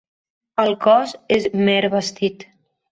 El cos és mer vestit.